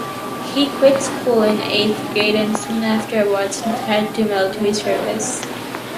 He quit school in the eighth grade and soon afterwards entered into military service.